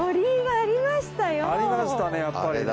ありましたねやっぱりね。